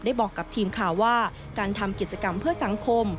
บอกกับทีมข่าวว่าการทำกิจกรรมเพื่อสังคม